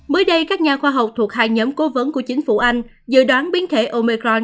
mới đây các nhà khoa học thuộc hai nhóm cố vấn của chính phủ anh dự đoán biến thể omecron